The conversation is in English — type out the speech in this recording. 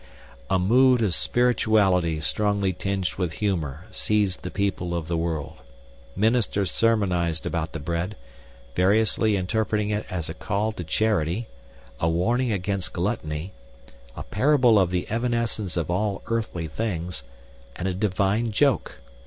A mood of spirituality strongly tinged with humor seized the people of the world. Ministers sermonized about the bread, variously interpreting it as a call to charity, a warning against gluttony, a parable of the evanescence of all earthly things, and a divine joke.